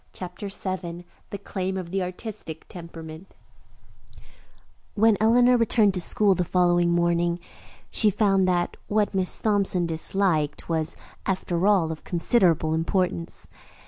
CHAPTER VII THE CLAIM OF THE "ARTISTIC TEMPERAMENT" When Eleanor returned to school the following morning, she found that what Miss Thompson "disliked" was, after all, of considerable importance.